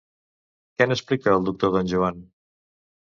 Què n'explica, el doctor, d'en Joan?